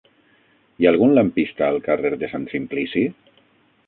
Hi ha algun lampista al carrer de Sant Simplici?